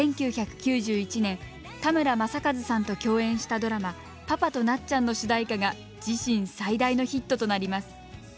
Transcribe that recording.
１９９１年田村正和さんと共演したドラマ「パパとなっちゃん」の主題歌が自身最大のヒットとなります。